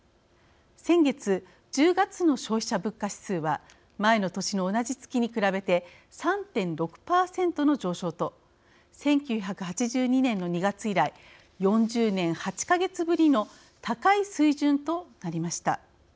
先月１０月の消費者物価指数は前の年の同じ月に比べて３．６％の上昇と１９８２年の２月以来４０年８か月ぶりの高い水準となりました。